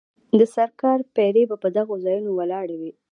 د سرکار پیرې به په دغو ځایونو ولاړې وې.